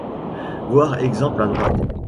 Voir exemple, à droite ⇒